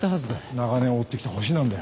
長年追ってきたホシなんだよ。